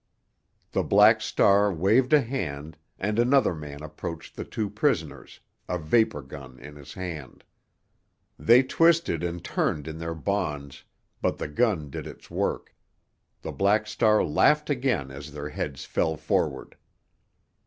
The Black Star waved a hand, and another man approached the two prisoners, a vapor gun in his hand. They twisted and turned in their bonds, but the gun did its work; the Black Star laughed again as their heads fell forward.